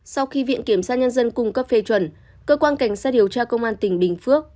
sau khi viện kiểm sát nhân dân cung cấp phê chuẩn cơ quan cảnh sát điều tra công an tỉnh bình phước